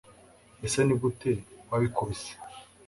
ese nigute wabikubise